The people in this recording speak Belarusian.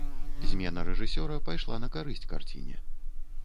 Змена рэжысёра пайшла на карысць карціне.